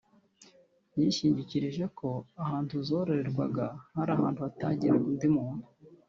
yishingikirije ko ahantu zororerwaga hari ahantu hatageraga undi muntu